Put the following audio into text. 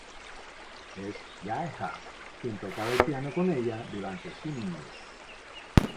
Es Jae Ha, quien tocaba el piano con ella durante su niñez.